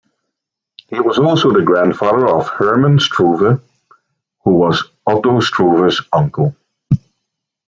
He was also the grandfather of Hermann Struve, who was Otto Struve's uncle.